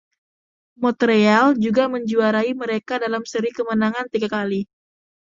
Montreal juga menjuarai mereka dalam seri kemenangan tiga kali.